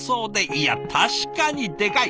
いや確かにでかい！